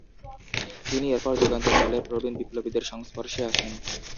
তিনি এরপর যুগান্তর দলের প্রবীণ বিপ্লবীদের সংস্পর্শে আসেন।